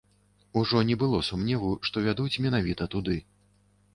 Ужо не было сумневу, што вядуць менавіта туды.